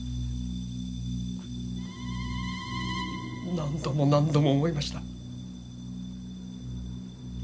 何度も何度も思いました。